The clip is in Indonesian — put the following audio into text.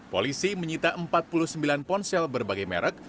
polisi menyita empat puluh sembilan ponsel berbagai merek